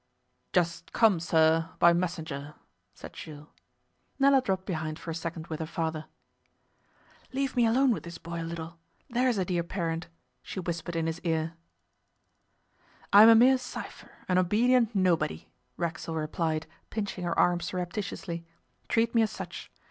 'Just come, sir, by messenger,' said Jules. Nella dropped behind for a second with her father. 'Leave me alone with this boy a little there's a dear parent,' she whispered in his ear. 'I am a mere cypher, an obedient nobody,' Racksole replied, pinching her arm surreptitiously. 'Treat me as such.